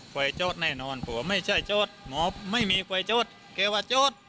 ไขว้โจ๊ดแน่นอนเขาบอกว่าไม่ใช่โจ๊ดหมอไม่มีไขว้โจ๊ดเขาบอกว่าโจ๊ด